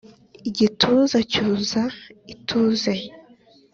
igituza cyuza ituze